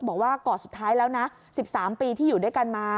บอกว่าก่อนสุดท้ายแล้วนะ๑๓ปีที่อยู่ด้วยกันมา